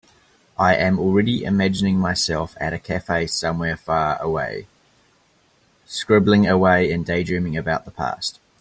I am already imagining myself at a cafe somewhere far away, scribbling away and daydreaming about the past.